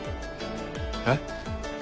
えっ？